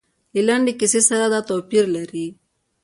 له لنډې کیسې سره دا توپیر لري.